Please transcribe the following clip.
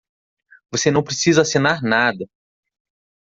Você não precisa assinar nada.